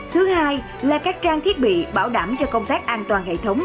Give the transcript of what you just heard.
thứ hai là các trang thiết bị bảo đảm cho công tác an toàn hệ thống